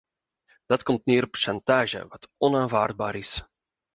Dat komt neer op chantage, wat onaanvaardbaar is.